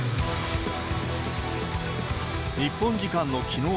日本時間のきのう